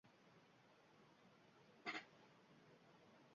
«Voy-ey, yoʼq boʼlsaydi!» shirin tin olib xayolidan oʼtkazdi u omadiga ishonmay.